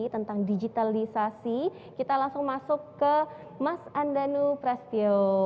tentang digitalisasi kita langsung masuk ke mas andanu prestio